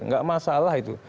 tidak masalah itu